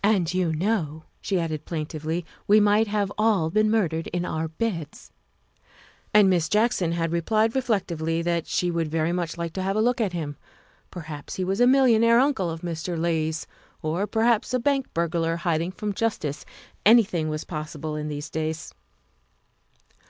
"And you know," she added plaintively, " we might have all been murdered in our beds. '' And Miss Jackson had replied reflectively that she would very much like to have a look at him. Perhaps he was a millionaire uncle of Mr. Leigh's, or perhaps a bank burglar hiding from justice. Anything was pos sible in these days.